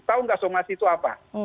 tahu nggak somasi itu apa